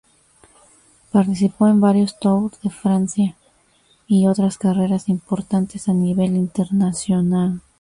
Participó en varios Tour de Francia y otras carreras importantes a nivel internacional.